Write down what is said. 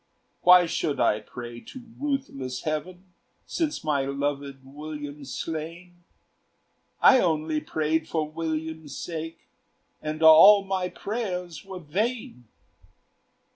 "Why should I pray to ruthless Heaven, Since my loved William's slain? I only prayed for William's sake, And all my prayers were vain."